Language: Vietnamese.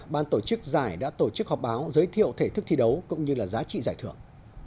ban tổ chức giải đã tổ chức họp báo giới thiệu thể thức thi đấu cũng như là giá trị giải thưởng